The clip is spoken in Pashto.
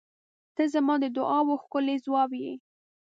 ته زما د دعاوو ښکلی ځواب یې.